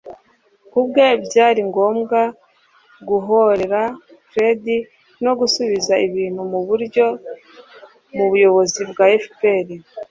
ku bwe byari ngombwa guhorera fred no gusubiza ibintu mu buryo mu buyobozi bwa fpr.